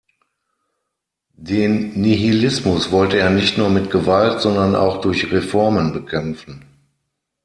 Den Nihilismus wollte er nicht nur mit Gewalt, sondern auch durch Reformen bekämpfen.